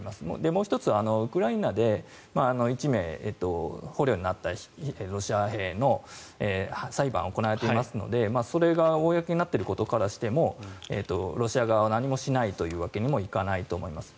もう１つはウクライナで１名、捕虜になったロシア兵の裁判が行われていますのでそれが公になっていることからしてもロシア側は何もしないというわけにもいかないと思います。